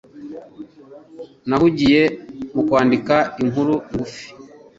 Nahugiye mu kwandika inkuru ngufi.